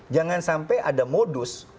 jangan sampai ada modus